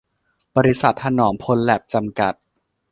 บริษัท ถนอมพลแลบ จำกัด